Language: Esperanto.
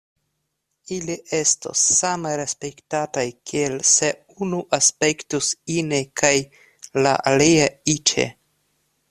Ili estos same respektataj kiel se unu aspektus ine kaj la alia iĉe.